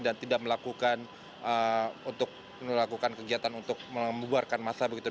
dan tidak melakukan kegiatan untuk membuarkan massa begitu